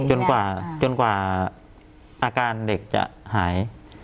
จนกว่าอาการเด็กจะหาย